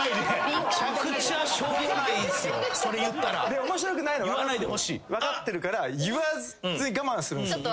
で面白くないの分かってるから言わずに我慢するんすよ。